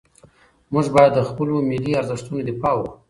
موږ باید د خپلو ملي ارزښتونو دفاع وکړو.